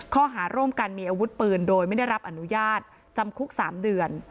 ข้อหาร่วมกันมีอาวุธปืนโดยไม่ได้รับอนุญาตจำคุก๓เดือน